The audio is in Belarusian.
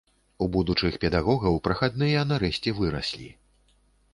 У будучых педагогаў прахадныя нарэшце выраслі.